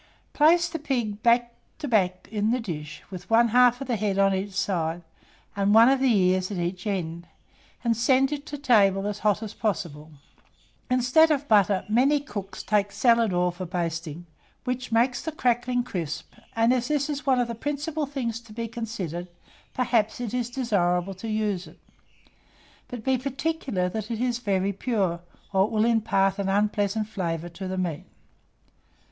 Place the pig back to back in the dish, with one half of the head on each side, and one of the ears at each end, and send it to table as hot as possible. Instead of butter, many cooks take salad oil for basting, which makes the crackling crisp; and as this is one of the principal things to be considered, perhaps it is desirable to use it; but be particular that it is very pure, or it will impart an unpleasant flavour to the meat.